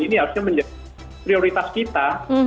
ini harusnya menjadi prioritas kita